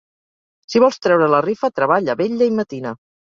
Si vols treure la rifa, treballa, vetlla i matina.